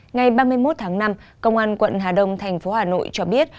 ngày ba mươi một tháng năm công an quận hà đông thành phố hà nội cho biết